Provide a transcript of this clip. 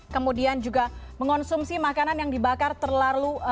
kemudian juga mengonsumsi makanan yang dibakar terlalu makin banyak